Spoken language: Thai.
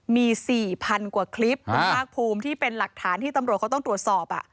มี๔๐๐๐กว่าคลิปคุณภาคภูมิที่เป็นหลักฐานที่ตำรวจเขาต้องตรวจสอบ